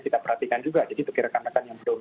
kita perhatikan juga jadi bagi rekan rekan yang belum